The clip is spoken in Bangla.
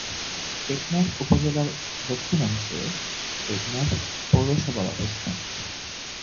টেকনাফ উপজেলার দক্ষিণাংশে টেকনাফ পৌরসভার অবস্থান।